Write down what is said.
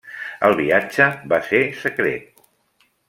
El viatge va ser secret.